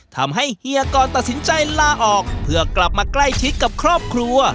เฮียกรตัดสินใจลาออกเพื่อกลับมาใกล้ชิดกับครอบครัว